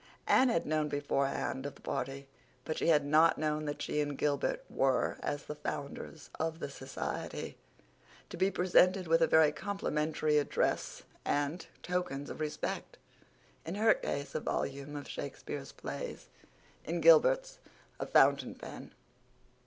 Anne had known beforehand of the party, but she had not known that she and Gilbert were, as the founders of the Society, to be presented with a very complimentary "address" and "tokens of respect"—in her case a volume of Shakespeare's plays, in Gilbert's a fountain pen.